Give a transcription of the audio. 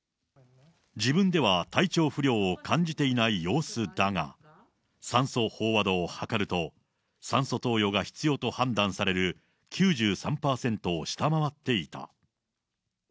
自分では体調不良を感じていない様子だが、酸素飽和度を測ると、酸素投与が必要と判断される９３％を下回っていた。